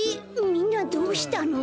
みんなどうしたの？